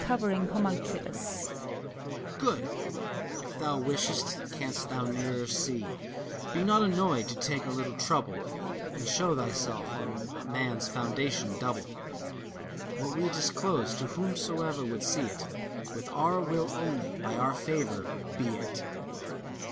THALES (covering Homunculus). Good ! If thou wishest, canst thou nearer see. Be not annoyed to take a little trouble, And show thyself on man's foundation double. What we disclose, to whomsoever would see it, With our will only, by our favor, be it